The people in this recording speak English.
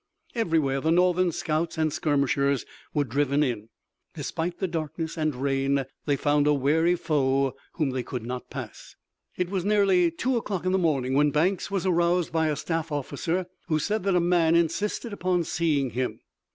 Everywhere the Northern scouts and skirmishers were driven in. Despite the darkness and rain they found a wary foe whom they could not pass. It was nearly two o'clock in the morning when Banks was aroused by a staff officer who said that a man insisted upon seeing him.